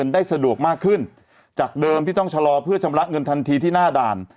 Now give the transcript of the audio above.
ได้สะดวกมากขึ้นจากเดิมที่ต้องชะลอเพื่อชำระเงินทันทีที่หน้าด่าน